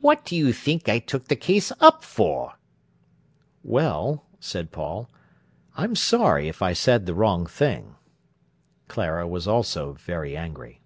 "What do you think I took the case up for?" "Well," said Paul, "I'm sorry if I said the wrong thing." Clara was also very angry.